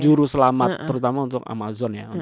juru selamat terutama untuk amazon ya